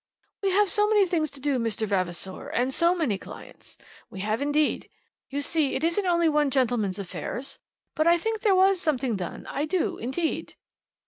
"We have so many things to do, Mr. Vavasor; and so many clients. We have, indeed. You see, it isn't only one gentleman's affairs. But I think there was something done. I do, indeed."